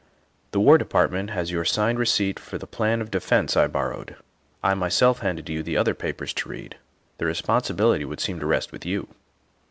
The War Department has your signed receipt for the plan of defence I borrowed; I myself handed you the other papers to read. The responsibility would seem to rest with you.